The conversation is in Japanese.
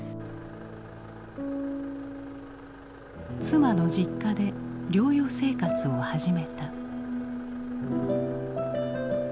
妻の実家で療養生活を始めた。